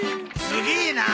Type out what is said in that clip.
すげえな！